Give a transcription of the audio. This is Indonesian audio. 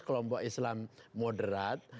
kelompok islam moderat